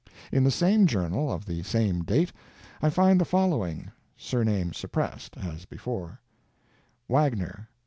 In the same journal, of the same date, I find the following (surname suppressed, as before): Wagner.